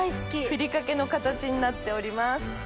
ふりかけの形になっております。